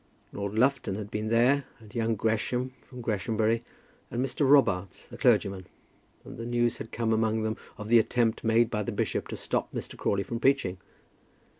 Lord Lufton had been there, and young Gresham from Greshamsbury, and Mr. Robarts the clergyman, and news had come among them of the attempt made by the bishop to stop Mr. Crawley from preaching.